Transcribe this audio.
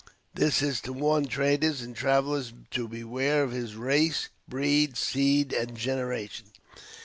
This is to warn traders and travelers to beware of his race, breed, seed, and generation."